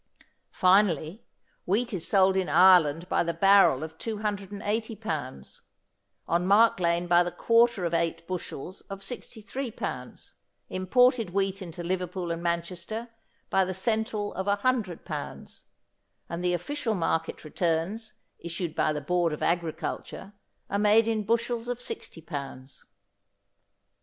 Finally, wheat is sold in Ireland by the barrel of 280 pounds, on Mark Lane by the quarter of eight bushels of 63 pounds, imported wheat in Liverpool and Manchester by the cental of 100 pounds, and the official market returns issued by the Board of Agriculture are made in bushels of 60 pounds.